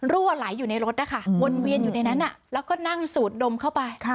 รั่วไหลอยู่ในรถนะคะวนเวียนอยู่ในนั้นแล้วก็นั่งสูดดมเข้าไป